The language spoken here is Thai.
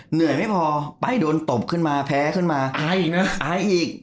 เหนื่อยไม่พอไปโดนตบขึ้นมาแพ้ขึ้นมาอายอีกนะอายอีก